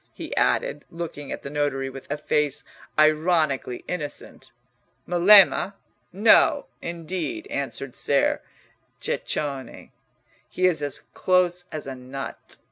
he added, looking at the notary with a face ironically innocent. "Melema? no, indeed," answered Ser Ceccone. "He is as close as a nut.